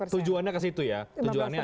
tujuannya kesitu ya